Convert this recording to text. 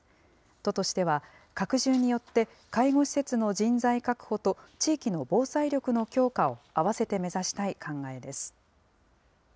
都としては、拡充によって介護施設の人材確保と地域の防災力の強化を併せて目指したい考えです。